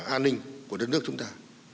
an ninh của đất nước chúng ta